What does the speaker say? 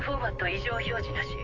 異常表示なし。